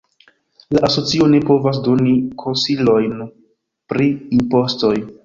La asocio ne povas doni konsilojn pri impostoj.